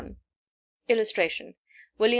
[Illustration: WILLIAM II.